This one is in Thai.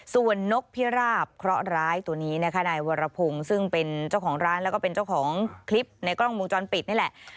ส่วนนกพิราบเคราะหร้ายตัวนี้นะคะนายวรพงศ์ซึ่งเป็นเจ้าของร้านแล้วก็เป็นเจ้าของคลิปในกล้องวงจรปิดนี่แหละ